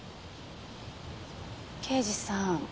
刑事さん。